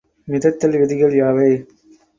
மிதத்தல் விதிகள் யாவை?